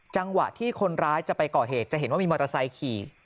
จังหวะที่คนร้ายจะไปก่อเหตุจะเห็นว่ามีมอเตอร์ไซค์ขี่